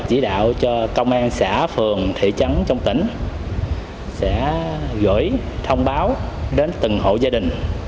chỉ đạo cho công an xã phường thị trấn trong tỉnh sẽ gửi thông báo đến từng hộ gia đình